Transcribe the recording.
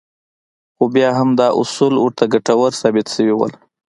خو بيا هم دا اصول ورته ګټور ثابت شوي وو.